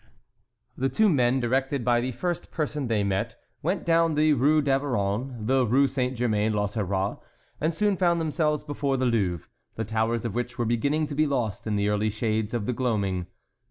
The two young men, directed by the first person they met, went down the Rue d'Averon, the Rue Saint Germain l'Auxerrois, and soon found themselves before the Louvre, the towers of which were beginning to be lost in the early shades of the gloaming.